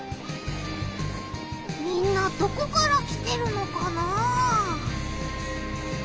みんなどこから来てるのかな？